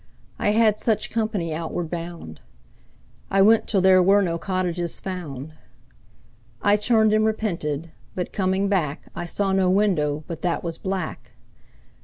I had such company outward bound. I went till there were no cottages found. I turned and repented, but coming back I saw no window but that was black.